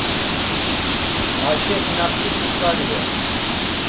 Aşe inat̆i ǩuǩari on.